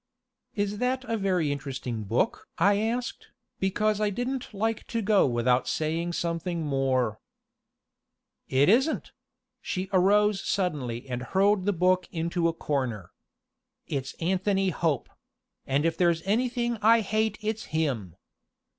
"Is that a very interesting book?" I asked, because I didn't like to go without saying something more. "It isn't!" She arose suddenly and hurled the book into a corner. "It's Anthony Hope and if there's anything I hate it's him.